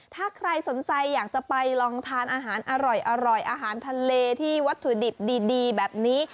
ถ้าใครสนใจอยากจะไปลองทานอาหารอร่อยอาหารทะเลที่วัตถุดิบดีแบบนี้